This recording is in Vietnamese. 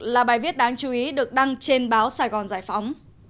là bài viết đáng chú ý được đăng trên báo sài gòn giải phóng